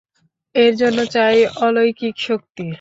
এর জন্য চাই অলৌকিক শক্তি।